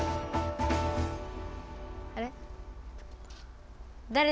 あれ？